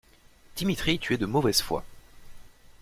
Dimitri, tu es de mauvaise foi!